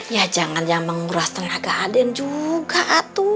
ya jangan jangan menguras tenaga aden juga atu